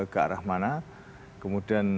ke arah mana kemudian